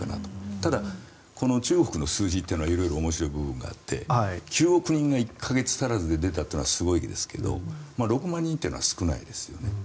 ただ、この中国の数字は色々面白い部分があって９億人が１か月足らずで出たというのはすごいですが６万人というのは少ないですよね。